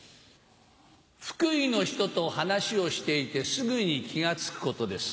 福井の人と話をしていてすぐに気が付くことです。